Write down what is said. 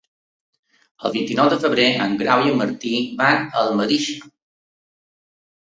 El vint-i-nou de febrer en Grau i en Martí van a Almedíxer.